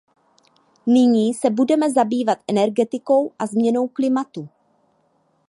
Nyní se budeme zabývat energetikou a změnou klimatu.